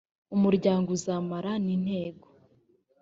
umuryango uzamara n intego